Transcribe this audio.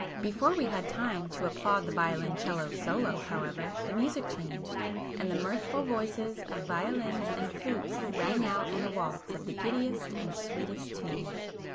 Before we had time to applaud the violoncello solo however, the music changed,—and the mirthful voices of violins and flutes rang out in a waltz of the giddiest and sweetest tune.